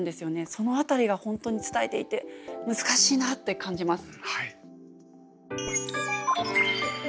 その辺りが本当に伝えていて難しいなって感じます。